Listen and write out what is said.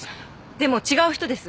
でも違う人です！